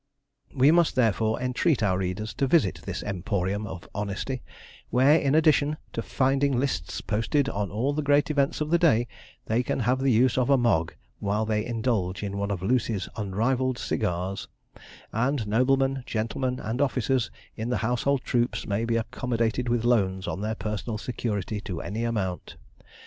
We must, therefore, entreat our readers to visit this emporium of honesty, where, in addition to finding lists posted on all the great events of the day, they can have the use of a Mogg while they indulge in one of Lucy's unrivalled cigars; and noblemen, gentlemen, and officers in the household troops may be accommodated with loans on their personal security to any amount.